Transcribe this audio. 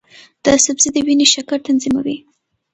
دا سبزی د وینې شکر تنظیموي.